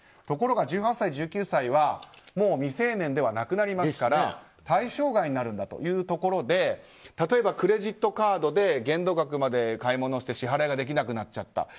ところが１８歳、１９歳はもう未成年ではなくなりますから対象外になるんだというところで例えばクレジットカードで限度額まで買い物をして支払いができなくなっちゃった。